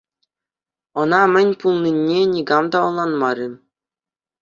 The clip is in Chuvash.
Ӑна мӗн пулнине никам та ӑнланмарӗ.